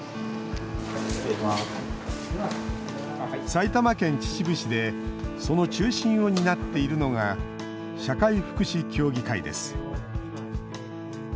埼玉県秩父市でその中心を担っているのが社会福祉協議会です。